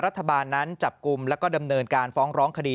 รัฐบาลนั้นจับกลุ่มแล้วก็ดำเนินการฟ้องร้องคดี